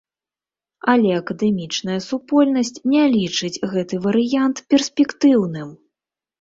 Але акадэмічная супольнасць не лічыць гэты варыянт перспектыўным.